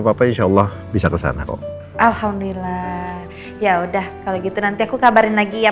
bapak insya allah bisa kesana kok alhamdulillah ya udah kalau gitu nanti aku kabarin lagi ya